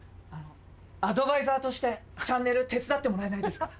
アドバイザーとしてチャンネル手伝ってもらえないですか？